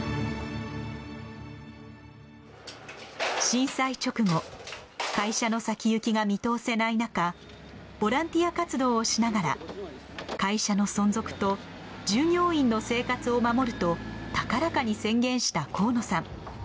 震災直後会社の先行きが見通せないなかボランティア活動をしながら会社の存続と従業員の生活を守ると高らかに宣言した河野さん。